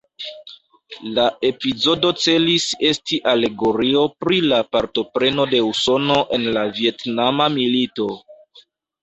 La epizodo celis esti alegorio pri la partopreno de Usono en la Vjetnama Milito.